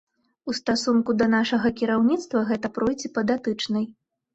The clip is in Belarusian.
У стасунку да нашага кіраўніцтва, гэта пройдзе па датычнай.